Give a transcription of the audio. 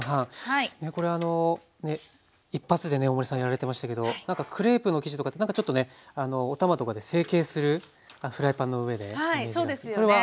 これあの一発でね大森さんやられてましたけどクレープの生地とかってなんかちょっとねお玉とかで成形するフライパンの上でイメージそれは